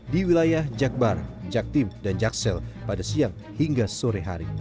di wilayah jakbar jaktim dan jaksel pada siang hingga sore hari